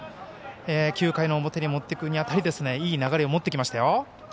９回の表に持っていくにあたりいい流れを持ってきましたよ。